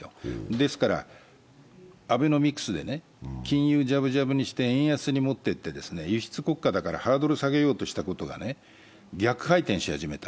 ですからアベノミクスで金融ジャブジャブにして円安にもっていって、輸出国家だからハードル下げようとしたことが逆回転し始めた。